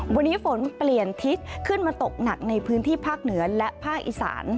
วันนี้ฝนเปลี่ยนทิศขึ้นมาตกหนักในพื้นที่ภาคเหนือและภาคอีสาน